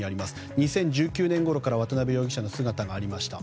２０１９年ごろから渡邉容疑者の姿がありました。